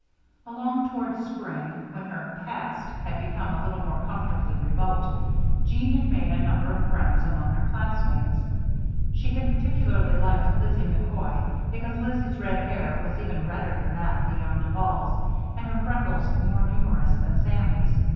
Along toward spring, when her "past" had become a little more comfortably remote, Jeanne had made a number of friends among her classmates. She had particularly liked Lizzie McCoy because Lizzie's red hair was even redder than that of the young Duvals, and her freckles more numerous than Sammy's.